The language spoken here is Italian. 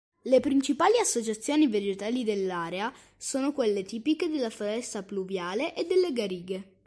Le principali associazioni vegetali dell'area sono quelle tipiche della foresta pluviale e delle garighe.